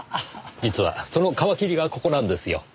実はその皮切りがここなんですよ。